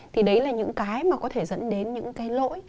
thì đấy là những cái mà có thể dẫn đến những cái lỗi